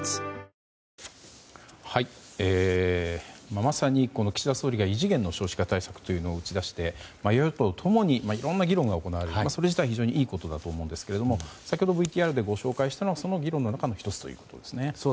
まさに岸田総理が異次元の少子化対策というのを打ち出して、与野党共にいろいろな議論が行われそれ自体はいいことだと思いますが先ほどＶＴＲでご紹介したのはその議論の１つですね。